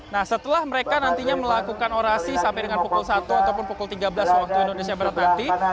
nah setelah mereka nantinya melakukan orasi sampai dengan pukul satu ataupun pukul tiga belas waktu indonesia barat nanti